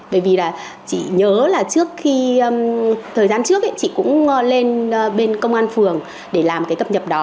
bởi vì là chị nhớ là trước khi thời gian trước chị cũng lên bên công an phường để làm cái cập nhập đó